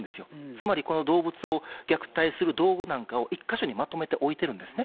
つまりその動物を虐待する道具なんかを１か所にまとめて置いてるんですね。